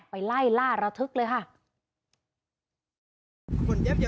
ไปไล่ล่าระทึกเลยค่ะ